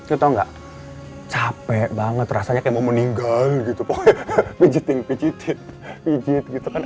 itu enggak capek banget rasanya kemau meninggal gitu pokoknya pijitin pijitin pijit gitu kan